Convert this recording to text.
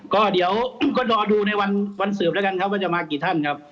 ก็เดี๋ยวก็รอดูในวันสืบแล้วกันครับว่าจะมากี่ท่านครับ